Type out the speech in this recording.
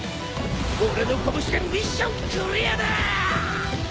俺の拳でミッションクリアだー！